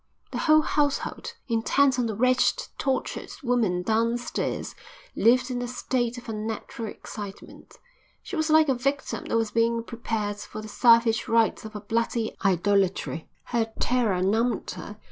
The whole household, intent on the wretched, tortured woman downstairs, lived in a state of unnatural excitement. She was like a victim that was being prepared for the savage rites of a bloody idolatry. Her terror numbed her.